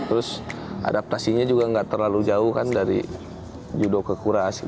terus adaptasinya juga nggak terlalu jauh kan dari judo ke kuras